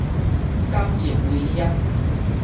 感情威脅